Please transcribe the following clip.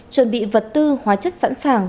chuẩn bị vật tư hóa chất sẵn sàng